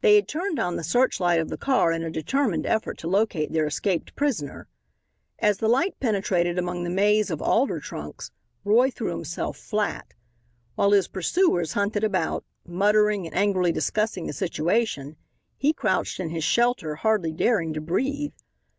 They had turned on the searchlight of the car in a determined effort to locate their escaped prisoner. As the light penetrated among the maze of alder trunks, Roy threw himself flat. While his pursuers hunted about, muttering and angrily discussing the situation, he crouched in his shelter, hardly daring to breathe.